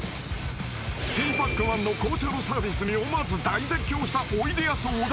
［ティーパックマンの紅茶のサービスに思わず大絶叫したおいでやす小田］